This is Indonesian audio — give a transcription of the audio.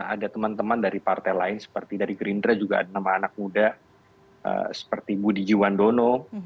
ada teman teman dari partai lain seperti dari gerindra juga ada nama anak muda seperti budi jiwandono